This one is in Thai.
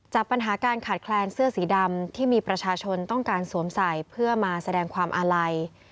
ปัญหาการขาดแคลนเสื้อสีดำที่มีประชาชนต้องการสวมใส่เพื่อมาแสดงความอาลัย